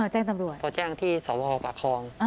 แจ้งตำรวจโทรแจ้งที่สวพประคอง